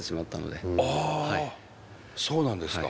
ああそうなんですか。